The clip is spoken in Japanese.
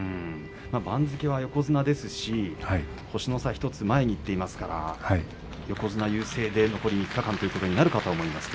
番付は横綱ですし星の差１つ前にいっていますから横綱優勢で残り３日間ということになるかと思います。